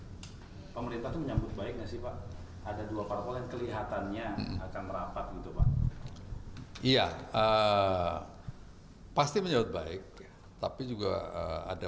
pemerintah yang efektif itu akan sebanyak mungkin teman sebanyak mungkin koalisi yang semakin kuat